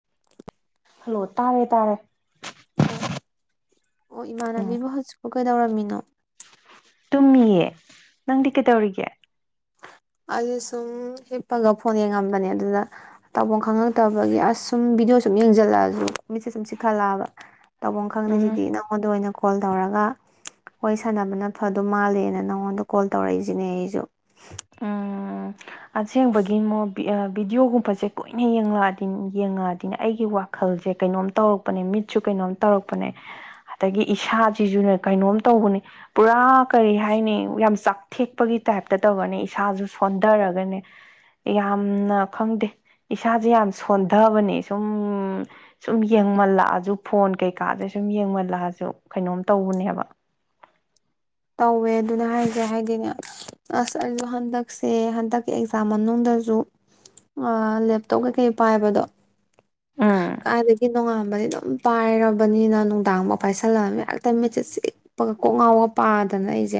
[inaudible] hello ꯇꯥꯔꯦ ꯇꯥꯔꯦ ꯑꯣ ꯑꯣ ꯏꯃꯥꯟꯅꯕꯤ ꯎꯝ ꯑꯃ ꯍꯥꯏ ꯁ꯭ꯀꯨꯜ ꯀꯩꯗꯧꯔꯝꯃꯤꯅꯣ ꯇꯨꯝꯃꯤꯌꯦ ꯅꯪꯗꯤ ꯀꯩꯗꯧꯔꯤꯒꯦ ꯑꯩꯁꯦ ꯁꯨꯝ ꯍꯤꯞꯄꯒ ꯐꯣꯟ ꯌꯦꯡꯉꯝꯕꯅꯦ ꯑꯗꯨꯗ ꯇꯥꯎꯐꯝ ꯈꯪꯉꯛꯇꯕꯒꯤ ꯑꯁ ꯁꯨꯝ ꯚꯤꯗꯤꯑꯣ ꯁꯨꯝ ꯌꯦꯡꯁꯤꯜꯂꯛ ꯑꯁꯨ ꯃꯤꯠꯁꯦ ꯁꯨꯝ ꯆꯤꯛꯈꯠ ꯂꯛ ꯑꯕ ꯇꯧꯕꯐꯝ ꯈꯪꯗ꯭ꯔꯤ ꯎꯝ ꯁꯤꯗꯤ ꯅꯪꯉꯣꯟꯗ ꯑꯣꯏꯅ ꯀꯣꯜ ꯇꯧꯔꯒ ꯋꯥꯔꯤ ꯁꯥꯟꯅꯕꯅ ꯐꯗꯣꯏ ꯃꯥꯜꯂꯦꯅ ꯅꯪꯉꯣꯟꯗ ꯀꯣꯜ ꯇꯧꯔꯛꯏꯁꯤꯅꯦ ꯑꯩꯁꯨ ꯎꯝ ꯑꯁꯦꯡꯕꯒꯤ ꯉꯣ ꯚꯤꯗꯤꯑꯣ ꯒꯨꯝꯕꯁꯦ ꯀꯨꯏꯅ ꯌꯦꯡꯉꯛꯑꯗꯤ ꯌꯦꯡꯉꯛꯑꯗꯤꯅꯦ ꯑꯩꯒꯤ ꯋꯥꯈꯜꯁꯦ ꯀꯩꯅꯣꯝ ꯇꯧꯔꯛꯄꯅꯦ ꯃꯤꯠꯁꯨ ꯀꯩꯅꯣꯝ ꯇꯧꯔꯛꯄꯅꯦ ꯑꯗꯒꯤ ꯏꯁꯥ ꯁꯤꯁꯨ ꯀꯩꯅꯣꯝ ꯇꯧꯕꯅꯦ ꯄꯨꯔꯥ ꯀꯔꯤ ꯍꯥꯏꯅꯤ ꯌꯥꯝ ꯆꯥꯛꯊꯦꯛꯄꯒꯤ ꯇꯥꯏꯞꯇ ꯇꯧꯔꯅꯤ ꯏꯁꯥꯁꯨ ꯁꯣꯟꯊꯔꯒꯅꯦ ꯌꯥꯝꯅ ꯈꯪꯗꯦ ꯏꯁꯥꯁꯦ ꯌꯥꯝ ꯁꯣꯟꯊꯕꯅꯦ ꯁꯨꯝ ꯁꯨꯝ ꯌꯦꯡ ꯃꯜꯂꯛ ꯑꯁꯨ ꯐꯣꯟ ꯀꯩ ꯀꯥꯁꯦ ꯁꯨꯝ ꯌꯦꯡ ꯃꯜ ꯂꯛꯑꯁꯨ ꯀꯩꯅꯣꯝ ꯇꯧꯕ ꯅꯦꯕ ꯇꯧꯋꯦ ꯑꯗꯨꯅꯦ ꯍꯥꯏꯁꯦ ꯍꯥꯏꯗꯤꯅꯦ ꯑꯁ ꯑꯩꯁꯨ ꯍꯟꯗꯛꯁꯦ ꯍꯟꯗꯛꯀꯤ ꯑꯦꯛꯖꯥꯝ ꯃꯅꯨꯡꯗꯁꯨ ꯂꯦꯞꯇꯣꯞ ꯀꯩꯀꯩ ꯄꯥꯏꯕꯗꯣ ꯎꯝ ꯀꯥꯏꯗꯒꯤ ꯅꯣꯡꯉꯥꯟꯕꯩꯅꯣ ꯄꯥꯏꯔꯕꯅꯤꯅ ꯅꯨꯡꯗꯥꯡ ꯐꯥꯎ ꯄꯥꯏ ꯁꯜꯂꯛ ꯑꯕꯅꯤꯅ ꯍꯦꯛꯇ ꯃꯤꯠꯁꯦ ꯆꯤꯛꯄꯒ ꯀꯣꯛ ꯉꯥꯎꯕꯒ ꯄꯥꯗꯅ ꯑꯩꯁꯦ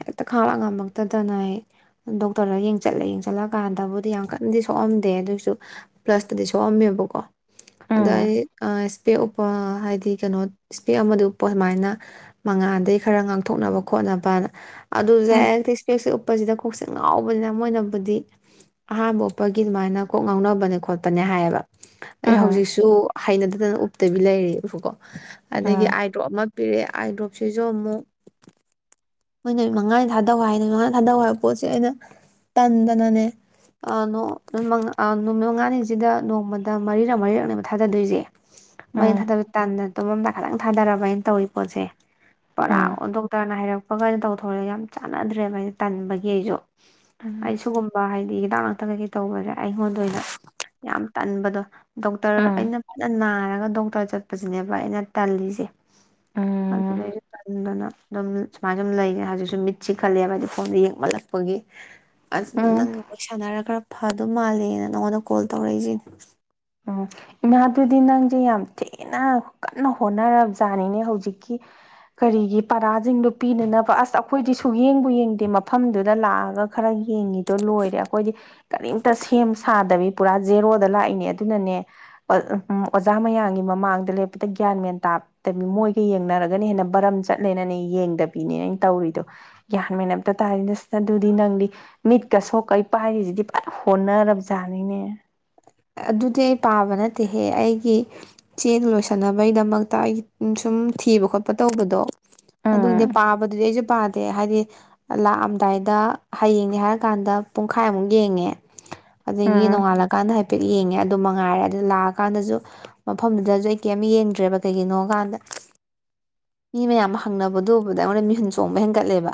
ꯍꯦꯛꯇ ꯈꯥꯡꯂꯥꯛ ꯉꯝꯃꯛꯇꯗꯅ ꯑꯩ ꯗꯣꯛꯇꯔꯗ ꯌꯦꯡ ꯆꯠꯂꯦ ꯌꯦꯡ ꯆꯠꯂꯀꯥꯟꯗꯕꯨꯗꯤ ꯌꯥꯝ ꯀꯟꯅꯗꯤ ꯁꯣꯛꯑꯝꯗꯦ ꯑꯗꯨꯏꯁꯨ ꯄ꯭ꯂꯁꯇꯗꯤ ꯁꯣꯛꯑꯝꯃꯦꯕꯀꯣ ꯑꯗꯣ ꯎꯝ ꯑꯩ ꯑꯥꯏꯁ ꯏꯁꯄꯦꯛ ꯎꯞꯄ ꯍꯥꯏꯗꯤ ꯀꯩꯅꯣ ꯏꯁꯄꯦꯛ ꯑꯃꯗꯨ ꯎꯞꯄꯣ ꯁꯃꯥꯏꯅ ꯃꯉꯥꯟꯗꯒꯤ ꯈꯔ ꯉꯥꯡ ꯊꯣꯛꯅꯕ ꯈꯣꯠꯅꯕꯅ ꯑꯗꯨꯖꯦ ꯎꯝ ꯑꯩꯁꯦ ꯏꯁꯄꯦꯛꯁꯦ ꯎꯞꯄꯁꯤꯗ ꯀꯣꯛꯁꯦ ꯉꯥꯎꯕꯖ ꯃꯣꯏꯅꯕꯨꯗꯤ ꯑꯍꯥꯟꯕ ꯎꯞꯄꯒꯤ ꯑꯗꯨꯃꯥꯏꯅ ꯀꯣꯛ ꯉꯥꯎꯅꯕꯅꯦ ꯈꯣꯠꯄꯅꯦ ꯍꯥꯏꯌꯦꯕ ꯑꯩ ꯎꯝ ꯍꯧꯖꯤꯛꯁꯨ ꯍꯩꯅꯗꯗꯅ ꯇꯕꯤ ꯂꯩꯔꯤꯕꯀꯣ ꯑꯗꯒꯤ ꯎꯝ ꯑꯥꯏꯗ꯭ꯔꯣꯞ ꯑꯃ ꯄꯤꯔꯛꯑꯦ ꯑꯥꯏꯗ꯭ꯔꯣꯞꯁꯤꯁꯨ ꯑꯃꯨꯛ ꯃꯣꯏꯅ ꯅꯨꯃꯤꯠ ꯃꯉꯥꯅꯤ ꯊꯥꯗꯧ ꯍꯥꯏ ꯅꯨꯃꯤꯠ ꯃꯉꯥꯅꯤ ꯊꯥꯗꯧ ꯍꯥꯏꯕ ꯄꯣꯠꯁꯦ ꯑꯩꯅ ꯇꯟꯗꯅꯅꯦ ꯑ ꯅꯣ ꯅꯨꯃꯤꯠ ꯃꯪꯉꯥ ꯑ ꯅꯨꯃꯤꯠ ꯃꯉꯥꯅꯤꯁꯤꯗ ꯅꯣꯡꯃꯗ ꯃꯔꯤꯔꯛ ꯃꯔꯤꯔꯛꯅꯦꯕ ꯊꯥꯗꯗꯣꯏꯖꯦ ꯃꯩ ꯎꯝ ꯊꯥꯗꯕ ꯇꯟꯗꯅ ꯊꯨꯝꯃꯝꯗꯥꯏ ꯈꯤꯇꯪ ꯊꯥꯗꯔꯕ ꯑꯩꯅ ꯇꯧꯋꯤ ꯄꯣꯠꯁꯦ ꯄꯔꯥ ꯎꯝ ꯅ ꯍꯥꯏꯔꯛꯄꯒꯩ ꯇꯧꯊꯣꯔꯛꯑꯦ ꯌꯥꯝ ꯆꯥꯟꯅꯗ꯭ꯔꯦꯕ ꯑꯩꯅ ꯇꯟꯕꯒꯤ ꯑꯩꯁꯨ ꯑꯩ ꯎꯝ ꯁꯤꯒꯨꯝꯕ ꯍꯥꯏꯗꯤ ꯍꯤꯗꯥꯛ ꯊꯛꯑꯒꯦ ꯇꯩꯕꯁꯦ ꯑꯩꯉꯣꯟꯗ ꯑꯣꯏꯅ ꯌꯥꯝ ꯇꯟꯕꯗꯣ ꯗꯣꯛꯇꯔ ꯎꯝ ꯑꯩꯅ ꯐꯅ ꯅꯥꯔꯒ ꯗꯣꯛꯇꯔ ꯆꯠꯄꯁꯤꯅꯦꯕ ꯑꯩꯅ ꯇꯜꯂꯤꯁꯦ ꯎꯝ ꯑꯗꯨꯗꯩ ꯑꯩ ꯇꯟꯗꯅ ꯎꯝ ꯁꯨꯃꯥꯏꯅ ꯁꯨꯝ ꯂꯩꯔꯦ ꯍꯧꯖꯤꯛꯁꯨ ꯃꯤꯠꯁꯤ ꯆꯤꯈꯠꯂꯦꯕ ꯑꯗꯤ ꯐꯣꯟꯗ ꯌꯦꯡꯃꯜꯂꯛꯄꯒꯤ ꯑꯁ ꯎꯝ ꯅꯪꯒ ꯋꯥꯔꯤ ꯁꯥꯟꯅꯔꯒ ꯈꯔ ꯐꯗꯧ ꯃꯥꯜꯂꯦꯅ ꯅꯪꯉꯣꯟꯗ ꯀꯣꯜ ꯇꯧꯔꯛꯏꯁꯤ ꯎꯝ ꯏꯃꯥꯗꯨꯗꯤ ꯅꯪꯁꯦ ꯌꯥꯝ ꯊꯤꯅ ꯀꯟꯅ ꯍꯣꯠꯅꯔꯕꯖꯥꯠꯅꯤꯅꯦ ꯍꯧꯖꯤꯛꯀꯤ ꯀꯔꯤꯒꯤ ꯄꯔꯥꯁꯤꯡꯗꯣ ꯄꯤꯅꯅꯕ ꯑꯁ ꯑꯩꯈꯣꯏꯗꯤ ꯁꯨꯛꯌꯦꯡꯕꯨ ꯌꯦꯡꯗꯦ ꯃꯐꯝꯗꯨꯗ ꯂꯥꯛꯑꯒ ꯈꯔ ꯌꯦꯡꯉꯤꯗꯣ ꯂꯣꯏꯔꯦ ꯑꯩꯈꯣꯏꯗꯤ ꯀꯔꯤꯝꯇ ꯁꯦꯝ ꯁꯥꯗꯕꯤ ꯄꯨꯔꯥ ꯖꯦꯔꯣꯗ ꯂꯥꯛꯏꯅꯦ ꯑꯗ ꯑꯗꯨꯅꯅꯦ ꯑ ꯑꯝ ꯑꯣꯖꯥ ꯃꯌꯥꯝꯒꯤ ꯃꯃꯥꯡꯗ ꯂꯦꯞꯄꯗ ꯒ꯭ꯌꯥꯟ ꯃꯦꯟ ꯇꯥꯇꯕꯤ ꯃꯣꯏꯒ ꯌꯦꯡꯅꯔꯒꯅ ꯍꯦꯟꯅ ꯕꯔꯝ ꯆꯠꯂꯦꯅꯅꯦ ꯌꯦꯡꯗꯕꯤꯅꯦ ꯑꯩꯅ ꯇꯧꯔꯤꯗꯣ ꯒ꯭ꯌꯥꯟ ꯃꯦꯟ ꯑꯝꯇ ꯇꯥꯗꯦ ꯑꯗꯨꯗꯤ ꯅꯪꯗꯤ ꯃꯤꯠꯀ ꯁꯣꯛꯀꯩ ꯄꯥꯏꯔꯤꯖꯤꯗꯤ ꯐꯠ ꯍꯣꯠꯅꯔꯕꯖꯥꯠꯅꯤꯅꯦ ꯑꯗꯨꯗꯤ ꯑꯩ ꯄꯥꯕ ꯅꯠꯇꯦꯍꯦ ꯑꯩꯒꯤ ꯆꯦ ꯂꯣꯏꯁꯤꯟꯅꯕꯒꯤꯗꯃꯛꯇ ꯑꯩ ꯁꯨꯝ ꯊꯤꯕ ꯈꯣꯠꯄ ꯇꯧꯕꯗꯣ ꯑꯗꯨꯗꯤ ꯎꯝ ꯄꯥꯕꯗꯨꯗꯤ ꯑꯩꯁꯨ ꯄꯥ ꯑ ꯍꯥꯏꯗꯤ ꯂꯥꯛꯑꯝꯗꯥꯏꯗ ꯍꯌꯦꯡꯅꯦ ꯍꯥꯏꯔꯀꯥꯟꯗ ꯄꯨꯡꯈꯥꯏꯃꯨꯛ ꯌꯦꯡꯉꯦ ꯎꯝ ꯑꯗꯒꯤ ꯅꯣꯡꯉꯥꯜꯂ ꯐꯦꯠ ꯌꯦꯡꯉꯦ ꯑꯗꯨ ꯃꯉꯥꯏꯔꯦ ꯑꯗꯣ ꯂꯥꯛꯑꯀꯥꯟꯗꯁꯨ ꯃꯐꯝꯗꯨꯗꯁꯨ ꯑꯩ ꯀꯦꯝ ꯌꯦꯡꯗ꯭ꯔꯦꯕ ꯀꯩꯒꯤꯅꯣ ꯀꯥꯟꯗ ꯃꯤ ꯃꯌꯥꯝ ꯍꯪꯅꯕꯗꯨ ꯎꯕꯗ ꯑꯩꯉꯣꯟꯗ ꯃꯤꯍꯨꯟ ꯆꯣꯡꯕ ꯍꯦꯟꯒꯠꯂꯦꯕ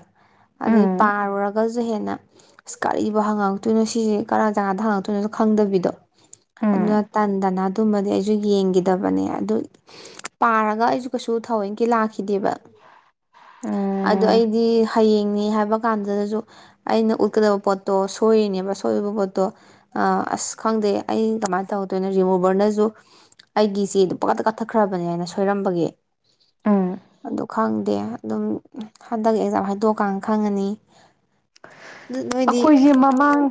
ꯑꯗꯩ ꯎꯝ ꯄꯥꯔꯨꯔꯒꯁꯨ ꯍꯦꯟꯅ ꯑꯁ ꯀꯔꯤꯕꯨ ꯍꯪꯉꯛꯇꯣꯏꯅꯣ ꯁꯤꯖ ꯀꯔ ꯖꯒꯥꯗ ꯍꯪꯉꯛꯇꯣꯏꯅꯣ ꯈꯪꯗꯕꯤꯗꯣ ꯑꯗꯨ ꯎꯝ ꯇꯟ ꯇꯅ ꯑꯗꯨꯃꯗꯤ ꯑꯩ ꯁꯨ ꯌꯦꯡꯒꯤꯗꯕꯅꯦ ꯑꯗꯨ ꯇꯥꯔꯒ ꯑꯩꯁꯨ ꯀꯩꯁꯨ ꯊꯋꯡꯒꯤ ꯂꯥꯛꯈꯤꯗꯦꯕ ꯑꯗꯣ ꯎꯝ ꯑꯩꯗꯤ ꯍꯌꯦꯡꯅꯤ ꯍꯥꯏꯕ ꯀꯥꯟꯗꯨꯗꯁꯨ ꯑꯩꯅ ꯎꯠꯀꯗꯕ ꯄꯣꯠꯇꯣ ꯁꯣꯏꯔꯤꯅꯦꯕ ꯁꯣꯏꯕ ꯄꯣꯠꯇꯣ ꯑꯥ ꯑꯁ ꯈꯪꯗꯦ ꯑꯩ ꯀꯃꯥꯏꯅ ꯇꯧꯗꯣꯏꯅꯣ ꯔꯤꯃꯨꯚꯔꯅꯁꯨ ꯑꯩꯒꯤ ꯏꯆꯦꯗꯨ ꯄꯛꯀꯥꯗ ꯀꯛꯊꯠꯈ꯭ꯔꯕꯅꯦ ꯍꯥꯏꯅ ꯁꯣꯏꯔꯝꯕꯒꯤ ꯎꯝ ꯑꯗꯨ ꯈꯪꯗꯦ ꯑꯗꯨꯝ ꯍꯟꯗꯛ ꯑꯦꯛꯖꯥꯝ ꯍꯥꯏꯗꯣꯛꯑꯀꯥꯟ ꯈꯪꯉꯅꯤ ꯑꯗꯨ ꯅꯣꯏꯗꯤ ꯑꯩꯈꯣꯏꯁꯦ ꯃꯃꯥꯡ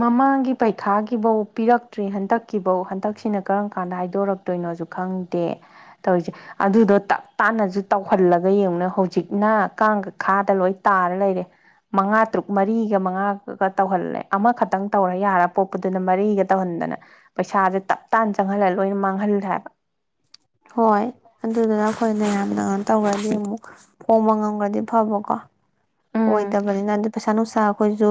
ꯃꯃꯥꯡꯒꯤ ꯄꯩꯈꯥꯒꯤꯐꯧ ꯄꯤꯔꯛꯇ꯭ꯔꯤ ꯍꯟꯗꯛꯀꯤꯐꯧ ꯍꯟꯗꯛꯁꯤꯅ ꯀꯔꯝ ꯀꯥꯟꯗ ꯍꯥꯏꯗꯣꯔꯛꯇꯣꯏꯅꯣꯁꯨ ꯈꯪꯗꯦ ꯇꯧꯔꯤꯁꯦ ꯑꯗꯨꯗꯣ ꯇꯞ ꯇꯥꯅꯁꯨ ꯇꯧꯍꯜꯂꯒ ꯌꯦꯡꯉꯨꯅ ꯍꯧꯖꯤꯛꯅ ꯀꯥꯡ ꯈꯥꯗ ꯂꯣꯏ ꯇꯥꯔ ꯂꯩꯔꯦ ꯃꯉꯥ ꯇꯔꯨꯛ ꯃꯔꯤꯒ ꯃꯉꯥꯒ ꯇꯧꯍꯜꯂꯦ ꯑꯃꯈꯛꯇꯪ ꯇꯧꯔ ꯌꯥꯔ ꯄꯣꯛꯄꯗꯨꯅ ꯃꯔꯤꯒ ꯇꯧꯍꯟꯗꯅ ꯄꯩꯁꯥꯁꯦ ꯇꯞ ꯇꯥꯅ ꯆꯪꯍꯜꯂ ꯂꯣꯏꯅ ꯃꯥꯡꯍꯜꯂꯦ ꯍꯥꯏꯕ ꯍꯣꯏ ꯑꯗꯨꯗꯨꯅ ꯑꯩꯈꯣꯏꯅꯌꯥꯝ [unintelligible] ꯇꯧꯈ꯭ꯔꯗꯤ ꯑꯃꯨꯛ ꯍꯣꯡꯕ ꯉꯝꯈ꯭ꯔꯗꯤ ꯐꯕꯀꯣ ꯑꯣ ꯎꯝ ꯏꯗꯕꯅꯤꯅ ꯗꯨ ꯄꯩꯁꯥ ꯅꯨꯡꯁꯥ ꯑꯩꯈꯣꯏꯁꯨ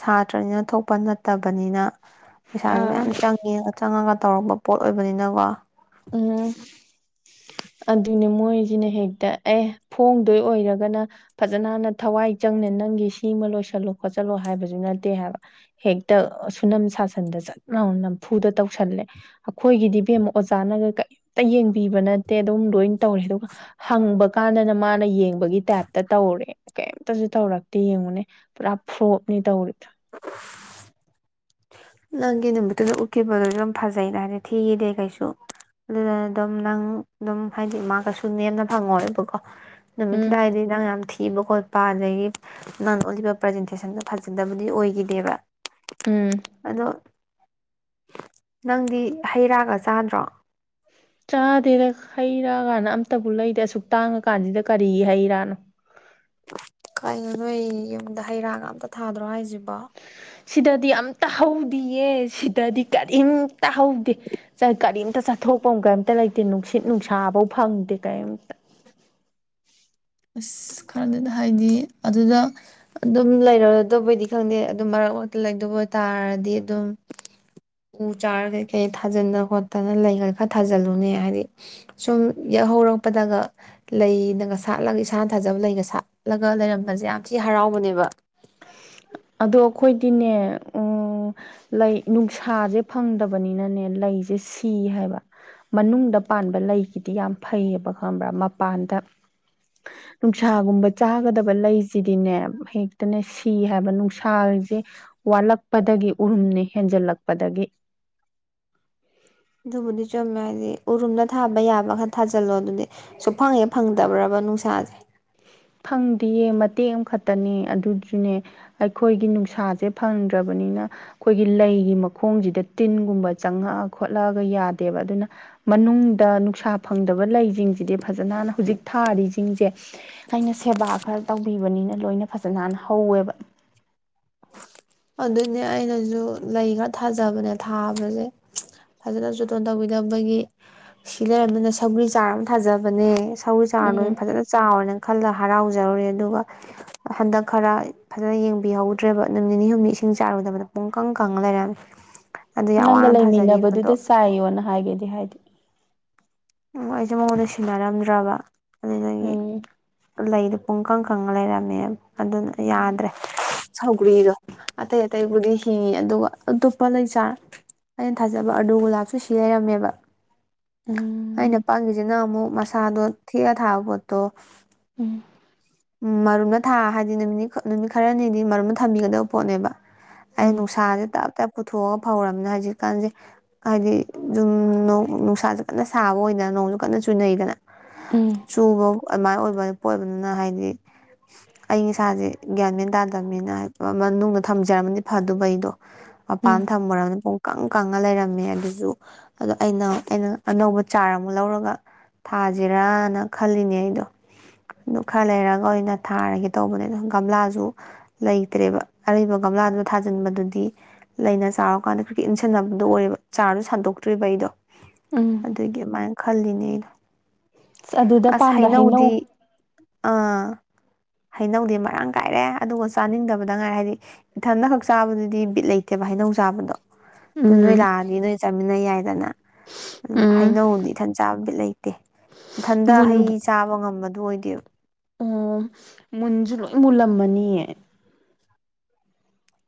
ꯁꯥꯇ꯭ꯔꯅꯤꯅ ꯊꯣꯛꯄ ꯅꯠꯇꯕ ꯀꯝꯄꯅꯤꯅ ꯑ ꯄꯩꯁꯥꯁꯨ ꯃꯌꯥꯝ ꯆꯪꯉ ꯆꯪꯉꯒ ꯇꯧꯔꯄ ꯄꯣꯠ ꯑꯣꯏꯕꯅꯤꯅꯀꯣ ꯎꯝ ꯑꯗꯨꯅꯦ ꯃꯣꯏꯁꯤꯅ ꯍꯦꯛꯇ ꯑꯦ ꯐꯣꯡꯗꯣꯏ ꯑꯣꯏꯔꯒꯅ ꯐꯖꯅ ꯅꯟꯅ ꯊꯋꯥꯏ ꯆꯪꯅ ꯅꯪꯒꯤ ꯁꯤꯃ ꯂꯣꯏꯁꯤꯜꯂꯣ ꯈꯣꯠꯆꯜꯂꯣ ꯍꯥꯏꯕꯁꯨ ꯅꯠꯇꯦ ꯍꯥꯏꯕ ꯍꯦꯛꯇ ꯁꯨꯅꯝ ꯁꯥꯁꯟꯗ ꯆꯠ ꯂꯅꯥ ꯅꯝꯐꯨꯗ ꯇꯧꯁꯜꯂꯦ ꯑꯩꯈꯣꯏꯒꯤꯗꯤ ꯕꯦꯝꯃ ꯑꯣꯖꯥꯅꯒ ꯀꯔꯤꯝꯇ ꯌꯦꯡꯕꯤꯕꯠ [unintelligible] ꯇꯧꯔꯦ ꯑꯗꯨꯒ ꯍꯪꯕ ꯀꯥꯟꯗꯅ ꯃꯥꯅ ꯌꯦꯡꯕꯒꯤ ꯇꯥꯏꯞꯇ ꯇꯧꯔꯦ ꯀꯩꯝꯇꯁꯨ ꯇꯧꯔꯛꯇꯦ ꯌꯦꯡꯉꯨꯅꯦ ꯄꯨꯔꯥ ꯐ꯭ꯂꯣꯞꯅꯤ ꯇꯧꯔꯦ [inaudible] ꯅꯪꯒꯤ ꯅꯨꯃꯤꯠꯇꯨꯗ ꯎꯠꯈꯤꯕꯗꯨꯣ ꯌꯥꯝ ꯐꯖꯩꯩꯅ ꯍꯥꯏꯗꯤ ꯊꯤꯈꯤꯗ ꯀꯩꯁꯨ ꯑꯗꯨꯗ ꯑꯗꯨꯝ ꯅꯪ ꯑꯗꯨꯝ ꯍꯥꯏꯗꯤ ꯃꯥ ꯀꯩꯁꯨ ꯅꯦꯝꯅ ꯐꯪꯉꯣꯕꯀꯣ ꯅꯨꯃꯤꯠ ꯎꯝ ꯇꯨꯗ ꯍꯥꯏꯔꯗꯤ ꯅꯪ ꯌꯥꯝ ꯊꯤ ꯏꯕ ꯈꯣꯠꯄ ꯑꯗꯒꯤ ꯅꯪ ꯎꯠꯂꯤꯕ ꯄ꯭ꯔꯖꯦꯟꯇꯦꯁꯟꯁꯨ ꯐꯖꯗꯕꯗꯤ ꯑꯣꯏꯈꯤꯗꯦꯕ ꯎꯝ ꯑꯗꯣ ꯅꯪꯗꯤ ꯍꯩ ꯔꯥꯒ ꯆꯥꯟꯗ꯭ꯔꯣ ꯆꯥꯗꯦꯗ ꯍꯩꯔꯀꯥꯟꯗ ꯑꯝꯇꯕꯨ ꯂꯩꯗꯦ ꯑꯁꯨꯛ ꯇꯥꯡꯉ ꯀꯥꯟꯁꯤꯗ ꯀꯔꯤꯒꯤ ꯍꯩꯔꯥꯅꯣ ꯀꯩꯅꯣ ꯅꯣꯏ ꯌꯨꯝꯗ ꯍꯩ ꯔꯥ ꯑꯝꯇ ꯊꯥꯗ꯭ꯔꯣ ꯍꯥꯏꯁꯤꯕ ꯁꯤꯗꯗꯤ ꯑꯇ ꯍꯧꯗꯤꯌꯦ ꯁꯤꯗꯗꯤ ꯀꯔꯤꯝꯇ ꯍꯧꯗꯦ ꯀꯔꯤꯝꯇ ꯆꯠꯊꯣꯛꯐꯝ ꯀꯔꯤꯝꯇ ꯂꯩꯇꯦ ꯅꯨꯡꯁꯤꯠ ꯅꯨꯡꯁꯥꯐꯧ ꯐꯪꯗꯦ ꯀꯔꯤꯝꯇ ꯑꯁ ꯈꯔꯗꯅ ꯍꯥꯏꯗꯤ ꯑꯗꯨꯗ ꯑꯗꯨꯝ ꯂꯩꯔꯗꯕꯩꯗꯤ ꯈꯪꯗꯦ ꯑꯗꯨꯝ ꯃꯔꯛ ꯃꯔꯛꯇ ꯂꯩꯗꯕ ꯑꯣꯏ ꯇꯥꯔꯗꯤ ꯑꯗꯨꯝ ꯎ ꯆꯥꯔ ꯀꯩ ꯀꯩ ꯊꯥꯖꯅ ꯈꯣꯠꯇꯅ ꯂꯩ ꯈ ꯈꯔ ꯊꯥꯖꯤꯜꯂꯨꯅꯦ ꯍꯥꯏꯗꯤ ꯁꯨꯝ ꯌꯥꯛꯍꯧꯔꯛꯄꯗꯒ ꯂꯩꯅꯒ ꯁꯥꯠꯂꯒ ꯏꯁꯥꯅ ꯊꯥꯖꯕ ꯂꯩꯒ ꯁꯥꯠꯂꯒ ꯂꯩꯔꯝꯕꯁꯦ ꯌꯥꯝ ꯊꯤ ꯍꯔꯥꯎꯕꯅꯦꯕ ꯑꯗꯣ ꯑꯩꯈꯣꯏꯗꯤꯅꯦ ꯎꯝ ꯂꯩ ꯅꯨꯡꯁꯥꯁꯦ ꯐꯪꯗꯕꯅꯤꯅꯅꯦ ꯂꯩꯁꯦ ꯁꯤ ꯍꯥꯏꯕ ꯃꯅꯨꯡꯗ ꯄꯥꯟꯕ ꯂꯩꯒꯤꯗꯤ ꯌꯥꯝ ꯐꯩꯌꯦꯕ ꯈꯪꯕ꯭ꯔꯥ ꯃꯄꯥꯟꯗ ꯅꯨꯡꯁꯥꯒꯨꯝꯕ ꯆꯥꯒꯗꯕ ꯂꯩꯁꯤꯗꯤꯅꯦ ꯍꯦꯛ ꯇꯅꯦ ꯁꯤ ꯍꯥꯏꯕ ꯅꯨꯡꯁꯥꯁꯦ ꯋꯥꯠꯂꯛꯄꯗꯒꯤ ꯎꯔꯨꯝꯅ ꯍꯦꯟꯖꯜꯂꯛꯄꯗꯒꯤ ꯑꯗꯨꯕꯨꯗꯤ ꯆꯨꯝꯃꯦ ꯍꯥꯏꯗꯤ ꯎꯔꯨꯝꯗ ꯊꯥꯕ ꯌꯥꯕ ꯈꯔ ꯊꯥꯖꯤꯜꯂꯣ ꯑꯗꯨꯗꯤ ꯁꯨꯡꯐꯪꯉꯦ ꯐꯪꯗꯕ꯭ꯔꯕ ꯅꯨꯡꯁꯥꯁꯦ ꯐꯪꯗꯦꯌꯦ ꯃꯇꯦꯛ ꯑꯃꯈꯛꯇꯅꯦ ꯑꯗꯨꯗꯨꯅꯦ ꯑꯩꯈꯣꯏꯒꯤ ꯅꯨꯡꯁꯥꯁꯦ ꯐꯪꯗ꯭ꯔꯕꯅꯤꯅ ꯑꯩꯈꯣꯏꯒꯤ ꯂꯩꯒꯤ ꯃꯈꯣꯡꯁꯤꯗ ꯇꯤꯟꯒꯨꯝꯕ ꯆꯪꯉꯛꯑ ꯈꯣꯠꯂꯛꯑꯒ ꯌꯥꯗꯦꯕ ꯑꯗꯨꯅ ꯃꯅꯨꯡꯗ ꯅꯨꯡꯁꯥ ꯐꯪꯗꯕ ꯂꯩꯁꯤꯡꯁꯤꯗꯤ ꯐꯖꯅꯅ ꯍꯧꯖꯤꯛ ꯊꯥꯔꯤꯁꯤꯡꯁꯦ ꯑꯩꯅ ꯁꯦꯕꯥ ꯈꯔ ꯇꯧꯕꯤꯕꯅꯤꯅ ꯂꯣꯏꯅ ꯐꯖꯅ ꯍꯥꯟꯅ ꯍꯧꯋꯦꯕ ꯑꯗꯨꯅꯦ ꯑꯩꯅꯁꯨ ꯂꯩ ꯈꯔ ꯊꯥꯖꯕꯅꯦ ꯊꯥꯕꯁꯦ ꯐꯖꯅꯁꯨꯨꯇꯣꯟ ꯇꯧꯕꯤꯗꯕꯒꯤ ꯁꯤ ꯂꯩꯔꯕꯅꯤꯅ ꯁꯒꯔꯤ ꯆꯥꯔ ꯑꯃ ꯊꯥꯖꯕꯅꯦ ꯊꯧꯏ ꯆꯥꯔꯗꯨꯅ ꯎꯝ ꯐꯖꯅ ꯆꯥꯎꯋꯦꯅ ꯈꯜꯂ ꯍꯔꯥꯎꯖꯔꯨꯔꯦ ꯑꯗꯨꯒ ꯍꯟꯗꯛ ꯈꯔ ꯐꯖꯅ ꯌꯦꯡꯕꯤꯍꯧꯗ꯭ꯔꯦꯕ ꯅꯨ ꯅꯤꯅꯤ ꯍꯨꯝꯅꯤ ꯏꯁꯤꯡ ꯆꯥꯔꯨꯗꯕꯗ ꯄꯨꯡ ꯀꯪ ꯀꯪꯉ ꯂꯩꯔꯝꯃꯦ ꯑꯗꯨ ꯌꯥꯝ ꯅꯪꯒ ꯋꯥꯅ ꯊꯥꯖꯈꯤꯕꯗꯣ ꯂꯩꯃꯤꯟꯅꯕꯗꯨꯗ ꯆꯥꯏꯌꯣꯅ ꯍꯥꯏꯒꯦꯗꯤ ꯍꯥꯏꯗꯦ ꯑꯣ ꯑꯩꯁꯦ ꯃꯉꯣꯟꯗ ꯁꯤꯟꯅꯔꯝꯗ꯭ꯔꯕ ꯑꯗꯨꯗꯒꯤ ꯎꯝ ꯂꯩꯗ ꯄꯨꯡ ꯏꯀꯪ ꯀꯪꯉ ꯂꯩꯔꯝꯃꯦ ꯑꯗꯨꯅ ꯎꯝ ꯌꯥꯗ꯭ꯔꯦ ꯁꯧꯒ꯭ꯔꯤꯗꯣ ꯑꯇꯩ ꯑꯇꯩꯕꯨꯗꯤ ꯍꯤꯡꯉꯤ ꯑꯗꯨꯒ ꯑꯇꯣꯞꯄ ꯂꯩꯆꯥꯥꯔ ꯑꯩꯅ ꯊꯥꯖꯕ ꯑꯥꯗꯨꯒꯨꯂꯥꯞꯁꯨ ꯁꯤ ꯂꯩꯔꯝꯃꯦꯕ ꯎꯝ ꯑꯩꯅ ꯄꯥꯉꯁꯤꯅ ꯑꯃꯨꯛ ꯃꯁꯥꯗꯣ ꯊꯦꯛꯑ ꯊꯥꯕ ꯄꯣꯠꯇꯣ ꯎꯝ ꯎꯝ ꯃꯔꯨꯝꯗ ꯊꯥ ꯍꯥꯏꯗꯤ ꯅꯨꯃꯤꯠꯅꯤ ꯅꯨꯃꯤꯠ ꯈꯔꯅꯤꯗꯤ ꯃꯔꯨꯝꯗ ꯊꯝꯕꯤꯒꯗꯕ ꯄꯣꯠꯅꯦꯕ ꯑꯩ ꯎꯝ ꯅꯨꯡꯁꯥꯁꯦ ꯇꯞ ꯄꯨꯊꯣꯛꯑꯒ ꯐꯧꯔꯕꯅꯤ ꯍꯧꯖꯤꯛꯀꯥꯟꯁꯦ ꯍꯥꯏꯗꯤ ꯅꯨꯡꯁꯥꯥꯁꯦ ꯀꯟꯅ ꯁꯥꯕ ꯑꯣꯏꯗꯅ ꯅꯣꯡꯁꯨ ꯀꯟꯅ ꯆꯨꯅꯩꯗꯅ ꯎꯝ ꯆꯨꯕꯣ ꯑꯗꯨꯃꯥꯏꯅ ꯑꯣꯏꯕꯅꯤ ꯄꯣꯏꯕꯅꯤꯅ ꯍꯥꯏꯗꯤ ꯍꯥꯏꯗꯤ ꯑꯩ ꯏꯁꯥꯁꯦ ꯒ꯭ꯌꯥꯟ ꯃꯦꯟ ꯇꯥꯗꯕꯅꯤꯅ ꯍꯥꯏ ꯃꯅꯨꯡꯗ ꯊꯝꯖꯔꯝꯃꯗꯤ ꯐꯗꯧꯕ ꯑꯩꯗꯣ ꯄꯥꯟ ꯎꯝ ꯊꯝꯃꯨꯔꯃꯤꯅ ꯀꯪ ꯀꯪꯉ ꯂꯩꯔꯝꯃꯦ ꯑꯗꯨꯁꯨ ꯑꯗꯣ ꯑꯩꯅ ꯑꯩꯅ ꯑꯅꯧꯕ ꯆꯥꯔ ꯑꯃꯨꯛ ꯂꯧꯔꯒ ꯊꯥꯁꯤꯔꯅ ꯈꯜꯂꯤꯅꯦ ꯑꯩꯗꯣ ꯑꯗꯨ ꯈꯔ ꯂꯩꯔꯒ ꯑꯣꯏꯅ ꯊꯥꯔꯒꯦ ꯇꯧꯕꯅꯦ ꯑꯗ ꯒꯝꯂꯥꯁꯨ ꯂꯩꯇ꯭ꯔꯦꯕ ꯑꯔꯩꯔꯤꯕ ꯒꯝꯂꯥꯗꯨꯗꯣ ꯊꯥꯖꯤꯟꯕꯗꯨꯗꯤ ꯂꯩꯅ ꯆꯥꯔꯀꯥꯟꯗ ꯀ꯭ꯔꯤꯀ ꯏꯟꯁꯤꯟꯅꯕꯗꯣ ꯑꯣꯏꯔꯦꯕ ꯆꯥꯔꯁ ꯁꯟꯗꯣꯛꯇ꯭ꯔꯤꯕ ꯑꯩꯗꯣ ꯑꯗꯨꯒꯤ ꯑꯗꯨꯃꯥꯏꯅ ꯈꯜꯂꯤꯅꯦ ꯁ ꯑꯗꯨꯗ ꯑꯁ ꯄꯥꯟꯕ ꯍꯩꯅꯧ ꯍꯩꯅꯧꯗꯤ ꯑꯥ ꯍꯩꯅꯧꯗꯤ ꯃꯔꯥꯡ ꯀꯥꯏꯔꯦ ꯑꯗꯨꯒ ꯆꯥꯅꯤꯡꯗꯕꯗ ꯉꯥꯏꯔ ꯍꯥꯏꯗꯤ ꯏꯊꯟꯗ ꯈꯛ ꯆꯥꯕꯗꯨꯗꯤ ꯕꯤꯠ ꯂꯩꯇꯦꯕ ꯍꯩꯅꯧ ꯆꯥꯕꯗꯣ ꯑꯗꯨ ꯎꯝ ꯅꯣꯏ ꯂꯥꯛꯑꯗꯤ ꯅꯣꯏ ꯆꯥꯃꯤꯟꯅ ꯌꯥꯏꯗꯅ ꯑꯗꯨ ꯎꯝ ꯍꯩꯅꯧꯗꯤ ꯏꯊꯟꯠ ꯆꯥꯕ ꯕꯤꯠ ꯂꯩꯇꯦ ꯏꯊꯟꯗ ꯍꯩ ꯃꯨꯟꯕꯨ ꯆꯥꯕ ꯉꯝꯕꯗꯣ ꯕꯨꯑꯣꯏꯗꯦ ꯑꯣ ꯃꯨꯟꯁꯨ ꯂꯣꯏ ꯃꯨꯜꯂꯝꯃꯅꯤꯌꯦ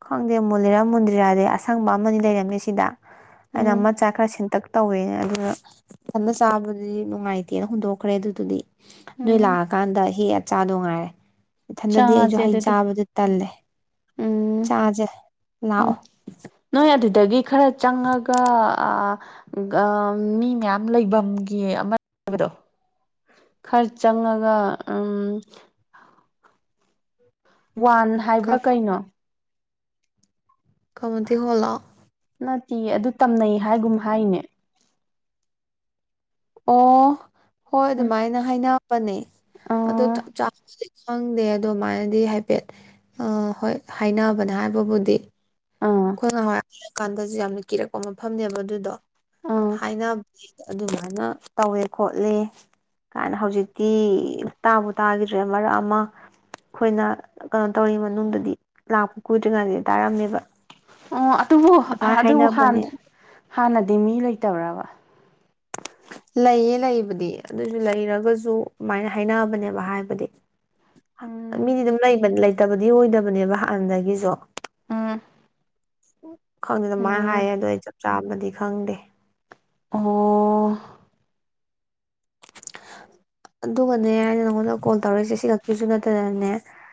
ꯈꯪꯗꯦ ꯃꯨꯜꯂꯤꯔꯥ ꯃꯨꯟꯗꯤꯔꯥꯗꯤ ꯑꯁꯪꯕ ꯑꯃ ꯂꯩꯔꯝꯃꯦ ꯁꯤꯗ ꯑꯩꯅ ꯎꯝ ꯃꯆꯥ ꯈꯔ ꯁꯦꯟꯇꯛ ꯇꯧꯋꯦ ꯑꯗꯨꯅ ꯏꯊꯟꯗ ꯆꯥꯕꯗꯨꯗꯤ ꯅꯨꯡꯉꯥꯏꯇꯦꯅ ꯍꯨꯟꯗꯣꯛꯈ꯭ꯔꯦ ꯑꯗꯨꯗꯨꯗꯤ ꯅꯣꯏ ꯎꯝ ꯂꯥꯛꯑꯀꯥꯟꯗ ꯍꯦꯛꯑ ꯆꯥꯈꯧ ꯉꯥꯏꯔꯦ ꯏꯊꯟꯗꯗꯤ ꯑꯩꯁꯨ ꯆꯥꯁꯦ ꯍꯩ ꯑꯗꯨꯗꯤ ꯆꯥꯕꯗ ꯇꯜꯂꯦ ꯎꯝ ꯆꯥꯖꯦ ꯂꯥꯛꯑꯣ ꯑꯗꯒꯤ ꯈꯔ ꯆꯪꯉꯒ ꯃꯤ ꯃꯌꯥꯝ ꯂꯩꯐꯝꯒꯤ ꯑꯃ ꯍꯥꯏꯕꯗꯣ ꯈꯔ ꯆꯪꯉꯒ ꯎ ꯋꯥꯟ ꯍꯥꯏꯕ꯭ꯔꯥ ꯀꯩꯅꯣ ꯀꯝꯃꯨꯇꯤ ꯍꯣꯜꯂꯣ ꯅꯠꯇꯦ ꯑꯗꯨ ꯇꯝꯅꯩ ꯍꯥꯏꯒꯨꯝ ꯍꯥꯏꯅꯦ ꯑꯣ ꯍꯣꯏ ꯎꯝ ꯑꯗꯨꯃꯥꯏꯅ ꯍꯥꯏꯅ [unintelligible] ꯑꯗꯨ ꯑꯥ ꯆꯞ ꯆꯥꯕꯁꯤ- ꯈꯪꯗꯦ ꯑꯗꯨꯃꯥꯏꯅꯗꯤ ꯍꯥꯏꯐꯦꯠ ꯍꯣꯏ ꯍꯥꯏꯅꯕꯅꯦ ꯍꯥꯏꯕꯕꯨꯗꯤ ꯑꯥ ꯑꯩꯈꯣꯏ ꯅꯥꯍꯋꯥꯏ- ꯀꯥꯟꯗꯁꯨ ꯌꯥꯝꯅ ꯀꯤꯔꯛꯄ ꯃꯐꯝꯅꯦꯕ ꯑꯗꯨꯗꯣ ꯑꯥ ꯍꯥꯏꯅꯕꯗꯤ ꯑꯗꯨꯃꯥꯏꯅ ꯇꯧꯋꯦ ꯈꯣꯠꯂꯦ ꯀꯥꯏꯅ ꯍꯧꯖꯤꯛꯇꯤ ꯇꯥꯕꯨ ꯇꯥꯈꯤꯗ꯭ꯔꯦ ꯃꯔꯛ ꯑꯃ ꯑꯩꯈꯣꯏꯅ ꯀꯩꯅꯣ ꯇꯧꯔꯤ ꯃꯅꯨꯡꯗꯗꯤ ꯂꯥꯛꯄ ꯀꯨꯏꯗꯔꯤꯉꯩꯗꯗꯤ ꯇꯥꯔꯝꯃꯦꯕ ꯑꯣ ꯑꯗꯨꯕꯨ ꯑꯗꯨꯃꯥꯏꯅ ꯑꯗꯨꯕꯨ ꯍꯥꯟ ꯍꯥꯏꯅꯕꯅꯦ ꯍꯥꯟꯅꯗꯤ ꯃꯤ ꯂꯩꯇꯕ꯭ꯔꯕ ꯂꯩꯌꯦ ꯂꯩꯕꯗꯤ ꯑꯗꯨꯁꯨ ꯂꯩꯔꯒꯁꯨ ꯑꯗꯨꯃꯥꯏꯅ ꯍꯥꯏꯅꯕꯅꯦꯕ ꯍꯥꯏꯕꯗꯤ ꯎꯝ ꯃꯤꯗꯤꯗꯨꯝ ꯂꯩꯕꯅꯦ ꯂꯩ ꯂꯩꯇꯕꯗꯤ ꯑꯣꯏꯗꯕꯅꯦꯕ ꯍꯥꯟꯅꯗꯒꯤꯁꯨ ꯎꯝ [unintelligible] ꯈꯪꯗꯦꯗ ꯃꯥꯏ ꯎꯝ ꯍꯥꯏꯌꯦ ꯑꯗꯣ ꯑꯩ ꯆꯠ ꯆꯥꯕꯗꯤ ꯈꯪꯗꯦ ꯑꯣꯍ ꯑꯗꯨꯒ ꯅꯦ ꯑꯩꯅ ꯅꯪꯉꯣꯟꯗ ꯀꯣꯜ ꯇꯧꯔꯛꯏꯁꯦ ꯁꯤꯈꯛꯀꯤꯁꯨ ꯅꯠꯇꯅꯅꯦ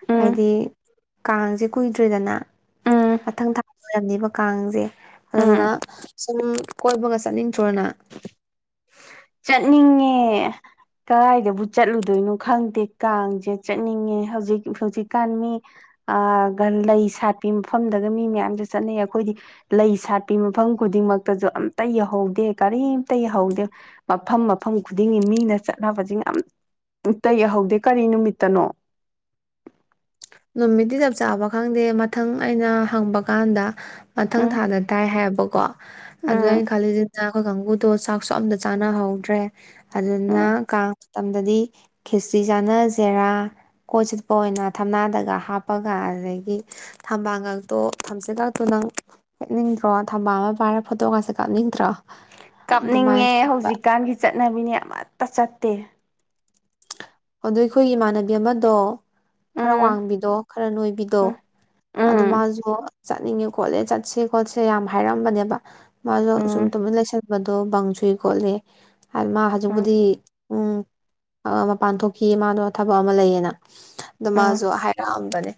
ꯎꯝ ꯍꯥꯏꯗꯤ ꯀꯥꯡꯁꯦ ꯀꯨꯏꯗ꯭ꯔꯦꯗꯅ ꯎꯝ ꯃꯊꯪ ꯊꯥ ꯑꯣꯏꯔꯝꯅꯤꯕ ꯀꯥꯡꯁꯦ ꯑꯗꯨꯅ ꯎꯝ ꯁꯨꯝ ꯀꯣꯏꯕꯒ ꯆꯠꯅꯤꯡꯗ꯭ꯔꯣ ꯅꯪ ꯆꯠꯅꯤꯡꯉꯦ ꯀꯗꯥꯥꯏꯗꯕꯨ ꯆꯠꯂꯨꯗꯣꯏꯅꯣ ꯈꯪꯗꯦ ꯀꯥꯡꯁꯦ ꯆꯠꯅꯤꯡꯉꯦ ꯍꯧꯖꯤꯛ ꯍꯧꯖꯤꯛꯀꯥꯟ ꯃꯤ ꯑꯥ ꯒꯟ ꯂꯩ ꯁꯥꯠꯄꯤ ꯃꯐꯝꯗꯗ ꯃꯤ ꯃꯌꯥꯝꯁꯦ ꯆꯠꯅꯩꯌꯦ ꯑꯩꯈꯣꯏꯗꯤ ꯂꯩ ꯁꯥꯠꯄꯤ ꯃꯐꯝ ꯈꯨꯗꯤꯡꯃꯛꯇꯁꯨ ꯑꯝꯇ ꯌꯥꯍꯧꯗꯦ ꯀꯔꯤꯝꯇ ꯌꯥꯍꯧꯗꯦ ꯃꯐꯝ ꯃꯐꯝ ꯈꯨꯗꯤꯡꯒꯤ ꯃꯤꯅ ꯆꯠꯅꯕꯖꯤꯡ ꯑꯝ ꯑꯝꯇ ꯌꯧꯍꯧꯗꯦ ꯀꯔꯤ ꯅꯨꯃꯤꯠꯇꯅꯣ ꯅꯨꯃꯤꯠꯇꯤ ꯆꯞ ꯆꯥꯕ ꯈꯪꯗꯦ ꯃꯊꯪ ꯑꯩꯅ ꯍꯪꯕ ꯀꯥꯟꯗ ꯃꯊꯪ ꯎꯝ ꯊꯥꯗ ꯇꯥꯏ ꯍꯥꯏꯕꯀꯣ ꯑꯗꯨꯗ ꯑꯩ ꯎꯝ ꯈꯟꯂꯤꯁꯦ ꯑꯩꯈꯣꯏ ꯀꯥꯡꯒꯨ ꯇꯣ ꯆꯥꯛꯁꯨ ꯑꯝꯇ ꯆꯥꯅꯍꯧꯗꯔꯦ ꯑꯗꯨꯅ ꯎꯝ ꯀꯥꯡ ꯃꯇꯝꯗꯗꯤ ꯈꯦꯆ꯭ꯔꯤ ꯆꯥꯅ ꯖꯦꯔꯥ ꯀꯣꯏ ꯆꯠꯄ ꯑꯣꯏꯅ ꯊꯝꯅꯥꯗ ꯒ ꯍꯥꯞꯄꯒ ꯑꯗꯨꯗꯒꯤ ꯊꯝꯕꯥꯜ ꯉꯛꯇꯣ ꯊꯝꯆꯦꯠꯀꯇꯣ ꯅꯪ ꯍꯦꯡꯅꯤꯡꯗ꯭ꯔꯣ ꯊꯝꯕꯥꯜ ꯑꯃ ꯄꯥꯏꯔꯒ ꯐꯣꯇꯣꯒꯥꯁꯦ ꯀꯥꯞꯅꯤꯡꯗ꯭ꯔꯣ ꯑꯗꯨꯃꯥꯏꯅ ꯀꯞꯅꯤꯡꯉꯦ ꯈꯟꯕ ꯍꯧꯖꯤꯛꯀꯥꯟꯒꯤ ꯆꯠꯅꯕꯤꯅꯦ ꯑꯃꯠꯇ ꯆꯠꯇꯦ ꯑꯗꯣ ꯑꯩꯈꯣꯏ ꯏꯃꯥꯟꯅꯕꯤ ꯑꯃꯗꯣ ꯈꯔ ꯎꯝ ꯋꯥꯡꯕꯤꯗꯣ ꯈꯔ ꯅꯣꯏꯕꯤꯗꯣ ꯎꯝ ꯑꯗꯨ ꯎꯝ ꯃꯥꯁꯨ ꯆꯠꯅꯤꯡꯉꯦ ꯀꯣꯠꯂꯦ ꯆꯠꯁꯦ ꯈꯣꯠꯁꯦ ꯌꯥꯝ ꯍꯥꯏꯔꯝꯕꯅꯦꯕ ꯃꯥꯗꯣ ꯁꯨꯝ ꯇꯨꯃꯤꯟ ꯂꯩꯁꯟꯕꯗꯣ ꯕꯪ ꯆꯨꯏ ꯈꯣꯠꯂꯤ ꯍꯥꯏ ꯃꯥ ꯎꯝ ꯎꯝ ꯍꯧꯖꯤꯛꯄꯨꯗꯤ ꯎꯝ [unintelligible] ꯄꯥꯟꯊꯣꯛꯈꯤ ꯃꯥꯗꯣ ꯊꯕꯛ ꯑꯃ ꯂꯩꯌꯦꯅ ꯑꯗꯣ ꯎꯝ ꯃꯥꯁꯨ ꯍꯥꯏꯔꯛꯑꯝꯕꯅꯦ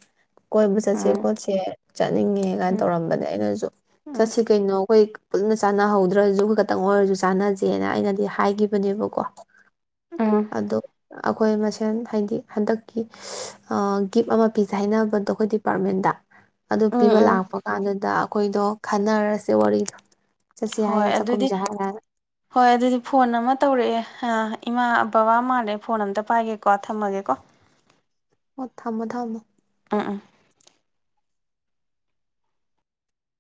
ꯀꯣꯏꯕ ꯆꯠꯁꯦ ꯎꯝ ꯈꯣꯠꯁꯦ ꯆꯠꯅꯤꯡꯉꯦ ꯀꯥꯏꯅ ꯎꯝ ꯇꯧꯔꯝꯕꯅꯦ ꯑꯩꯅꯁꯨ ꯎꯝ ꯆꯠꯁꯤ ꯀꯩꯅꯣ ꯑꯩꯈꯣꯏ ꯄꯨꯟꯅ ꯆꯥꯅꯍꯧꯗ꯭ꯔꯁꯨꯒ ꯈꯇꯪ ꯑꯣꯏꯔꯁꯨ ꯆꯥꯟꯅꯁꯦꯅ ꯑꯩꯅꯗꯤ ꯍꯥꯏꯈꯤꯕꯅꯦꯕꯀꯣ ꯎꯝ ꯑꯗꯣ ꯑꯩꯈꯣꯏ ꯃꯁꯦꯟ ꯍꯥꯏꯗꯤ ꯍꯟꯗꯛꯀꯤ ꯒꯤꯞ ꯑꯃ ꯄꯤꯖꯩ ꯍꯥꯏꯅꯕ ꯑꯗꯣ ꯑꯩꯈꯣꯏ ꯗꯤꯄꯥꯔꯠꯃꯦꯟꯗ ꯑꯗꯨ ꯎꯝ ꯄꯤꯕ ꯎꯝ ꯂꯥꯛꯄ ꯀꯥꯟꯗꯨꯗ ꯈꯣꯏꯗꯣ ꯈꯟꯅꯔꯁꯦ ꯋꯥꯔꯤꯗꯣ ꯆꯠꯁꯤ ꯍꯣꯏ ꯍꯥꯏꯔ ꯑꯗꯨꯗꯤ ꯆꯥꯛꯈꯨꯝꯁꯦ ꯍꯥꯏꯔꯒ ꯍꯣꯏ ꯑꯗꯨꯗꯤ ꯐꯣꯟ ꯑꯃ ꯇꯧꯔꯛꯑꯦ ꯑ ꯏꯃꯥ ꯕꯕꯥ ꯃꯥꯜꯂꯦ ꯐꯣꯟ ꯑꯝꯇ ꯄꯥꯏꯒꯦꯀꯣ ꯊꯝꯃꯒꯦꯀꯣ ꯑꯣ ꯊꯃꯣ ꯊꯃꯣ ꯑ